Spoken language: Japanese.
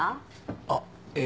あっえー